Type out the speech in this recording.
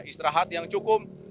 istirahat yang cukup